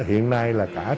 hiện nay là cả